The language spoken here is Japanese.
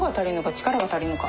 力が足りんのか？